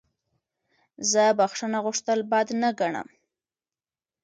زه بخښنه غوښتل بد نه ګڼم.